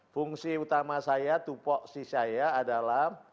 fungsi utama saya tupoksi saya adalah